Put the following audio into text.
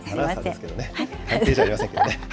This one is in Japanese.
探偵じゃありせんけどね。